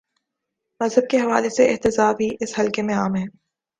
مذہب کے حوالے سے استہزا بھی، اس حلقے میں عام ہے۔